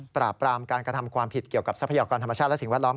ปราบปรามการกระทำความผิดเกี่ยวกับทรัพยากรธรรมชาติและสิ่งแวดล้อม